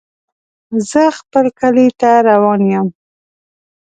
زه خپل کلي ته روان يم.